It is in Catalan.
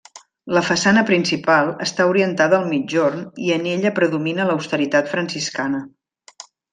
La façana principal està orientada al migjorn i en ella predomina l'austeritat franciscana.